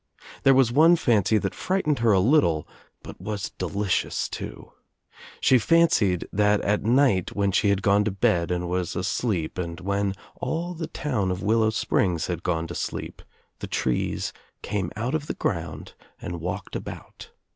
There was one fancy that , frightened her a little but was delicious too. She fan j cied that at night when she had gone to bed and was ' asleep and when all the town of Willow Springs had I gone to sleep the trees came out of the ground and walked about.